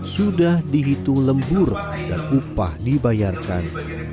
sudah dihitung lembur dan upah dibayarkan